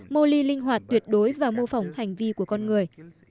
moli linh hoạt tuyệt đối và mô phỏng hành vi của con người